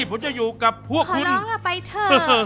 ผมจะอยู่กับพวกคุณขอล้อเลื่อบไปเถอะ